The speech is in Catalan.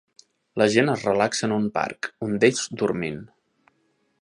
La gent es relaxa en un parc un d'ells dormint